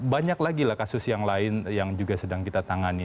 banyak lagi lah kasus yang lain yang juga sedang kita tangani